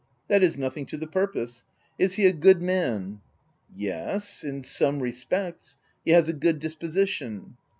" That is nothing to the purpose. Is he a good man ?" "Yes — in some respects. He has a good disposition.